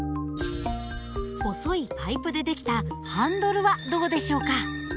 細いパイプで出来たハンドルはどうでしょうか？